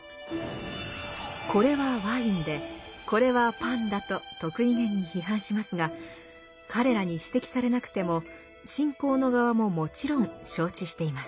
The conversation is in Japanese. これはワインでこれはパンだと得意げに批判しますが彼らに指摘されなくても信仰の側ももちろん承知しています。